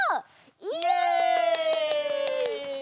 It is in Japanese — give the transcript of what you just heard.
イエイ！